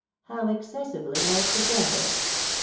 — How excessively like the general